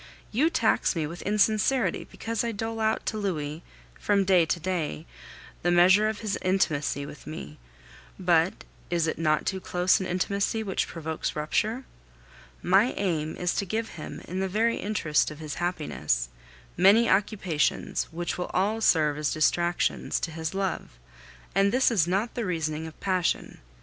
You tax me with insincerity because I dole out to Louis, from day to day, the measure of his intimacy with me; but is it not too close an intimacy which provokes rupture? My aim is to give him, in the very interest of his happiness, many occupations, which will all serve as distractions to his love; and this is not the reasoning of passion.